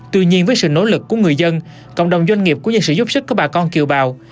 tuy nhiên với sự nỗ lực của người dân cộng đồng doanh nghiệp cũng như sự giúp sức của bà con kiều bào